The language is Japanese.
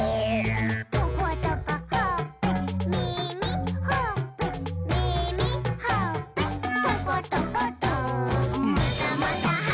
「トコトコほっぺ」「みみ」「ほっぺ」「みみ」「ほっぺ」「トコトコト」「またまたはぐき！はぐき！はぐき！